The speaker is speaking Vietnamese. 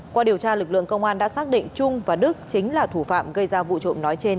qua điều tra lực lượng công an đã xác định trung và đức chính là thủ phạm gây ra vụ trộm nói trên